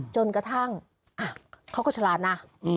จนกระทั่งเขาก็ฉลาดนะ